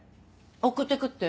送ってくって？